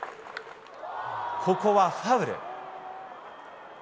ここはファウル。